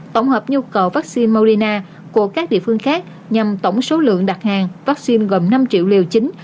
tổng hợp nhu cầu vaccine morina của các địa phương khác nhằm tổng số lượng đặt hàng vaccine gần năm triệu liều chính